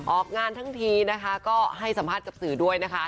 ออกงานทั้งทีนะคะก็ให้สัมภาษณ์กับสื่อด้วยนะคะ